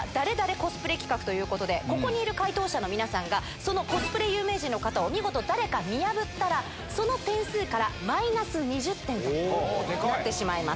コスプレ企画ということで、ここにいる回答者の皆さんが、そのコスプレ有名人の方を見事、誰か見破ったら、その点数からマイナス２０点となってしまいます。